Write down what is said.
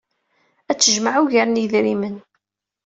Ad tejmeɛ ugar n yedrimen.